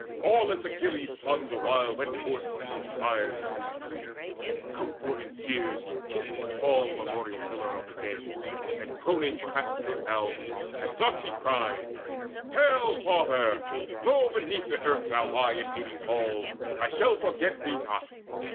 Aweless Achilles' son the while went forth To his sire's huge tomb. Outpouring tears, he kissed The tall memorial pillar of the dead, And groaning clasped it round, and thus he cried: "Hail, father! Though beneath the earth thou lie In Hades' halls, I shall forget thee not.